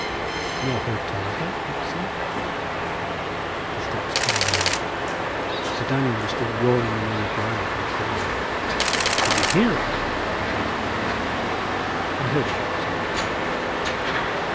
"Nor heard tell of her?" he pursued. The steps drew nearer. Sir Daniel was still roaring the name of Joanna from the courtyard. "Did ye hear of her?" repeated Dick. "I heard of her," said Matcham.